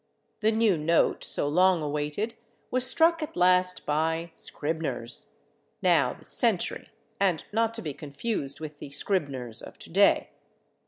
The new note, so long awaited, was struck at last by Scribner's, now the Century (and not to be confused with the Scribner's of to day).